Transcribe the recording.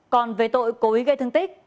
còn về tội cố ý gây thương tích